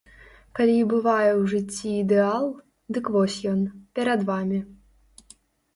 Калі і бывае ў жыцці ідэал, дык вось ён, перад вамі.